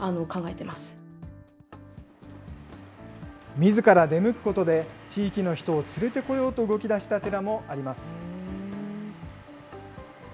みずから出向くことで、地域の人を連れてこようと動きだした寺もあります。